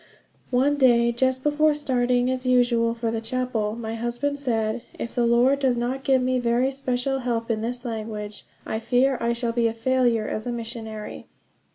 One day, just before starting as usual for the chapel, my husband said: "If the Lord does not give me very special help in this language I fear I shall be a failure as a missionary."